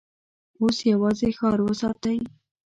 اوس يواځې ښار وساتئ!